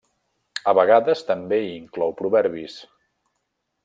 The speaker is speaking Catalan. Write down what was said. A vegades també hi inclou proverbis.